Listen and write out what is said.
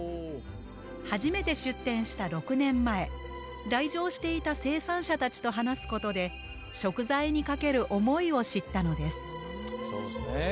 初めて出店した６年前来場していた生産者たちと話すことで食材にかける思いを知ったのです。